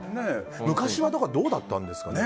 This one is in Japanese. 昔はどうだったんですかね。